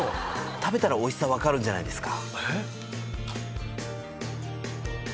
食べたらおいしさ分かるんじゃないですか？